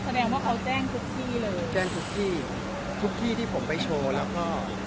แสดงว่าเขาแจ้งทุกที่เลยแจ้งทุกที่ทุกที่ที่ผมไปโชว์แล้วก็